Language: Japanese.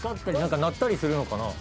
「鳴ったりするの？